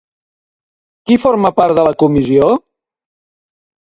Qui forma part de la comissió?